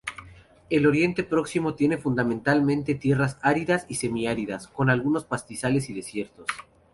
El Oriente Próximo tiene fundamentalmente tierras áridas y semi-áridas, con algunos pastizales y desiertos.